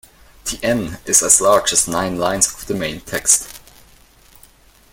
The N is as large as nine lines of the main text.